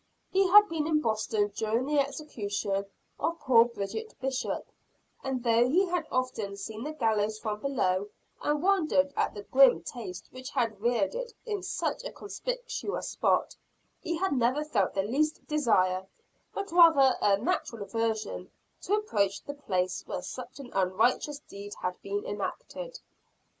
He had been in Boston during the execution of poor Bridget Bishop; and though he had often seen the gallows from below, and wondered at the grim taste which had reared it in such a conspicuous spot, he had never felt the least desire, but rather a natural aversion, to approach the place where such an unrighteous deed had been enacted.